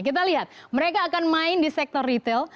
kita lihat mereka akan main di sektor retail